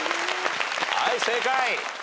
はい正解。